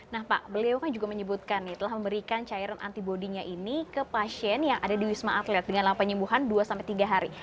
nah pak beliau kan juga menyebutkan nih telah memberikan cairan antibody nya ini ke pasien yang ada di wisma atlet dengan lama penyembuhan dua tiga hari